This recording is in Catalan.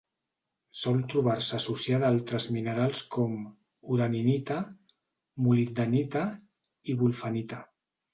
Sol trobar-se associada a altres minerals com: uraninita, molibdenita i wulfenita.